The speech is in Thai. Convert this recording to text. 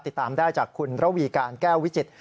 ติดตามได้จากคุณระวีการแก้ววิจิตร